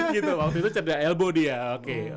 gitu waktu itu cedera ilmu dia oke